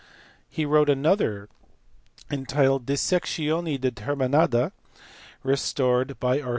He wrote another entitled De Sectione Determinates (restored by R.